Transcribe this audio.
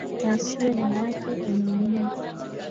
Asiye na wake ana Mungu